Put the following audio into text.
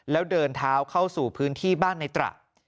แล้วเดินเท้าเข้าสู่พื้นที่บ้านในตระ